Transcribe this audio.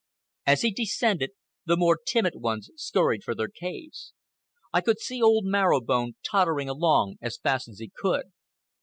As he descended, the more timid ones scurried for their caves. I could see old Marrow Bone tottering along as fast as he could.